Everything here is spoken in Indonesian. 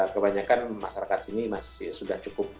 kebanyakan masyarakat sini masih sudah cukup